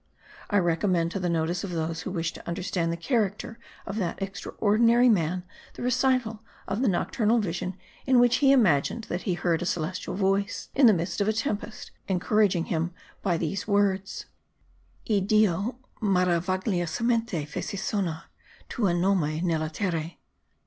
I recommend to the notice of those who wish to understand the character of that extraordinary man, the recital of the nocturnal vision, in which he imagined that he heard a celestial voice, in the midst of a tempest, encouraging him by these words: Iddio maravigliosamente fece sonar tuo nome nella terra.